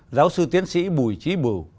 giáo sư tiến sĩ bùi trí bù